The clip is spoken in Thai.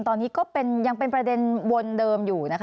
ตอนนี้ก็ยังเป็นประเด็นวนเดิมอยู่นะคะ